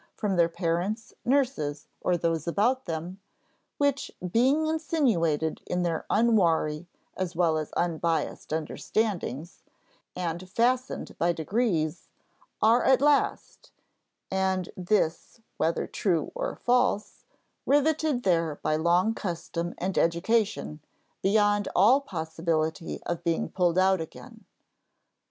from their parents, nurses, or those about them; which being insinuated in their unwary as well as unbiased understandings, and fastened by degrees, are at last (and this whether true or false) riveted there by long custom and education, beyond all possibility of being pulled out again.